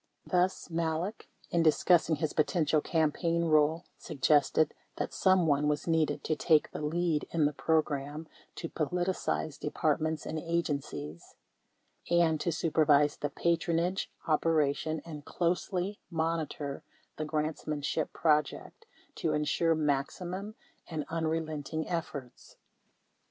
Thus, Malek, in discussing his potential campaign role, suggested that some one was needed to " [t] ake the lead in the program to politicize Depart ments and Agencies" and to "supervise the patronage operation and closely monitor the grantsmanship project to insure maximum and unrelenting efforts."